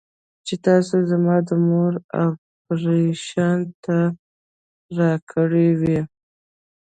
چې تاسو زما د مور اپرېشن ته راکړې وې.